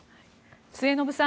末延さん